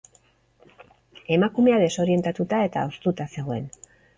Emakumea desorientatuta eta hoztuta zegoen.